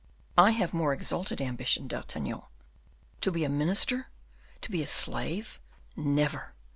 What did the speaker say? I have more exalted ambition, D'Artagnan. To be a minister to be a slave, never!